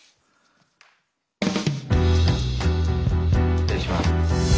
失礼します。